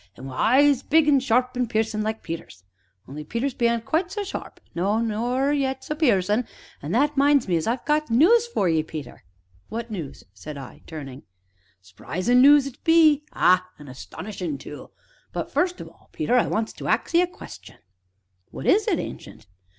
an' wi' eyes big an' sharp an' piercin' like Peter's, only Peter's bean't quite so sharp, no, nor yet so piercin' an' that minds me as I've got noos for 'ee, Peter." "What news?" said I, turning. "S'prisin' noos it be ah! an' 'stonishin' tu. But first of all, Peter, I wants to ax 'ee a question." "What is it, Ancient?"